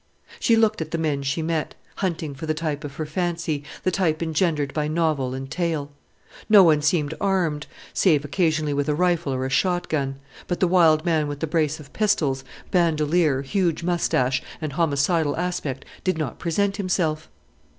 She looked at the men she met, hunting for the type of her fancy, the type engendered by novel and tale. No one seemed armed, save occasionally with a rifle or a shot gun; but the wild man with the brace of pistols, bandolier, huge moustache and homicidal aspect did not present himself!